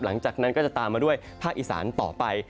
หลังจากนั้นก็จะตามมาด้วยภาคอีสานต่อไป